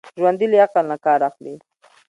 ژوندي له عقل نه کار اخلي